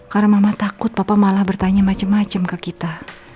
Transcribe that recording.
karena mama takut papa malah bertanya macem macem ke kita